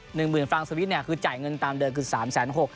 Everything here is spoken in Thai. ๑หมื่นฟรางส์สวิตคือจ่ายเงินตามเดินคือ๓๖๐๐บาท